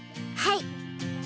はい！